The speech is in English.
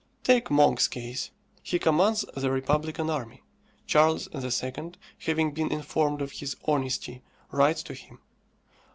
Take Monk's case. He commands the republican army. Charles II., having been informed of his honesty, writes to him.